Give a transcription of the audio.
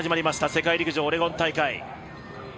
世界陸上オレゴン大会。